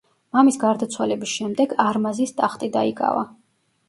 მამის გარდაცვალების შემდეგ, არმაზის ტახტი დაიკავა.